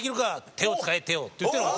手を使え手を」って言ってるのが私。